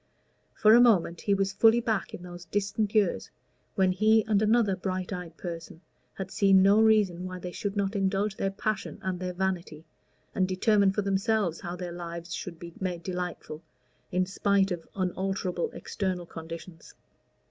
For a moment he was fully back in those distant years when he and another bright eyed person had seen no reason why they should not indulge their passion and their vanity, and determine for themselves how their lives should be made delightful in spite of unalterable external conditions.